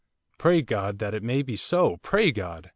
'Pray God that it may be so! pray God!